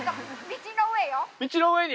道の上に？